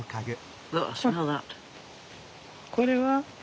これは？